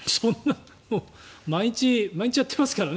毎日、やってますからね。